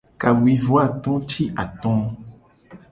Kawuivoato ti ato.